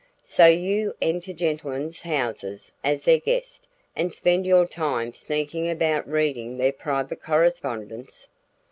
"So you enter gentlemen's houses as their guest and spend your time sneaking about reading their private correspondence?"